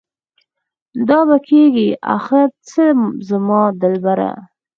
دا به کيږي اخر څه زما دلبره؟